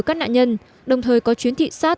các nạn nhân đồng thời có chuyến thị sát